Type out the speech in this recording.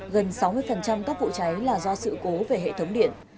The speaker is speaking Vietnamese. gần sáu mươi các vụ cháy là do sự cố về hệ thống điện